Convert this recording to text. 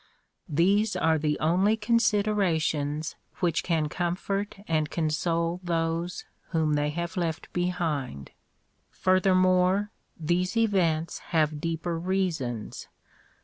These are the only con siderations which can comfort and console those whom they have left behind. Furthermore, these events have deeper reasons.